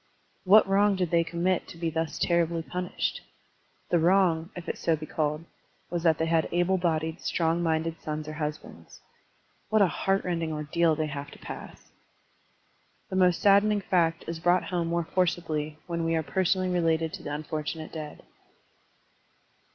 What wrong did they commit to be thus terribly punished? The wrong, if it be so called, was that they had able bodied, strong minded sons or husbands. What a heart rending ordeal they have to pass! This most saddening fact is brought home more forcibly when we are personally related to the tmforttmate dead.